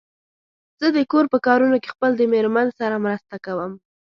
زه د کور په کارونو کې خپل د مېرمن سره مرسته کوم.